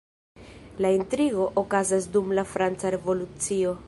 La intrigo okazas dum la Franca Revolucio.